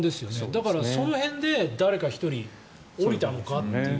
だから、その辺で誰か１人降りたのか。